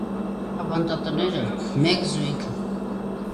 Ավանդատները՝ մեկ զույգ։